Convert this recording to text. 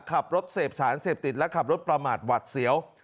ขับรถเสพสารเสพติดและขับรถประมาทหวัดเสียว